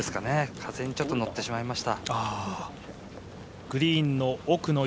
風にちょっと乗ってしまいました。